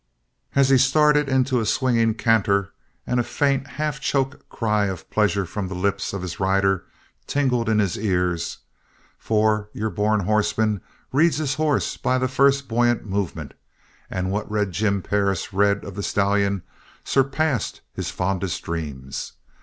He started into a swinging canter. And a faint, half choked cry of pleasure from the lips of his rider tingled in his ears. For your born horseman reads his horse by the first buoyant moment, and what Red Jim Perris read of the stallion surpassed his fondest dreams.